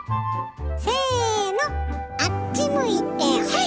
せのあっち向いてホイ！